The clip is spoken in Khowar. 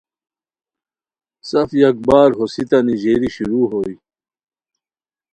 سف یک بار ہوسیتانی ژیری شروع ہوئے